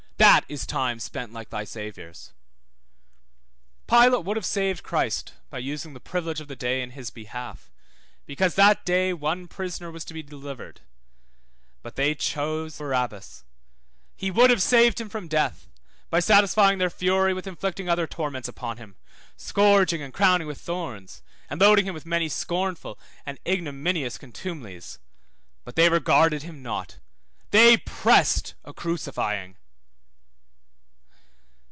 That is time spent like thy Saviour's. Pilate would have saved Christ, by using the privilege of the day in his behalf, because that day one prisoner was to be delivered, but they choose Barabbas; he would have saved him from death, by satisfying their fury with inflicting other torments upon him, scourging and crowning with thorns, and loading him with many scornful and ignominious contumelies, but they regarded him not, they pressed a crucifying.